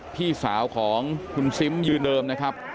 พี่สาวของคุณซิมยืนเดิมนะครับ